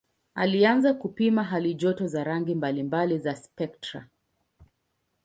Alianza kupima halijoto za rangi mbalimbali za spektra.